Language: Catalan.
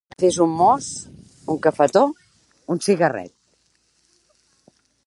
Fer un mos, un cafetó, un cigarret.